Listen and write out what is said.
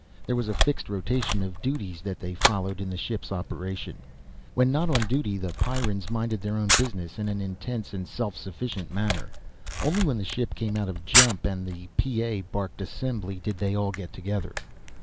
There was a fixed rotation of duties that they followed in the ship's operation. When not on duty the Pyrrans minded their own business in an intense and self sufficient manner. Only when the ship came out of jump and the PA barked assembly did they all get together.